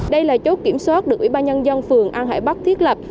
đây là chốt kiểm soát được ủy ban nhân dân phường an hải bắc thiết lập